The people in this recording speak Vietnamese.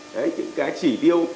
đấy những cái chỉ tiêu